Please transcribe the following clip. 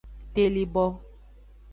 Telibo.